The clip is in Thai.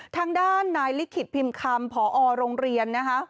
ทางด้านนายลิขิตพิมพ์คำผอโรงเรียนนะคะ